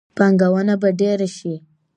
پانګونه به ډیره شي.